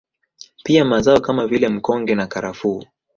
Pia mazao kama vile mkonge na karafuu